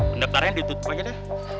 mendaftarnya ditutup aja deh